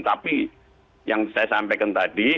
tapi yang saya sampaikan tadi